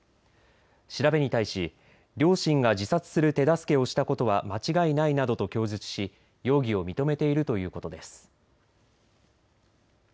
調べに対し、両親が自殺する手助けをしたことは間違いないなどと供述し容疑を認めているということです。